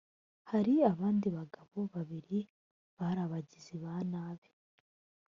hari abandi bagabo babiri bari abagizi ba nabi